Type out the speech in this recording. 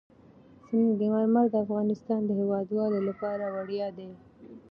سنگ مرمر د افغانستان د هیوادوالو لپاره ویاړ دی.